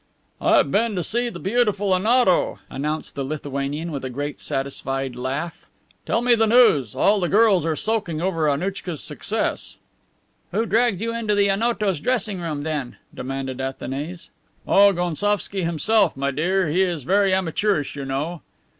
"I have been to see the beautiful Onoto," announced the Lithuanian with a great satisfied laugh. "Tell me the news. All the girls are sulking over Annouchka's success." "Who dragged you into the Onoto's dressing room then?" demanded Athanase. "Oh, Gounsovski himself, my dear. He is very amateurish, you know."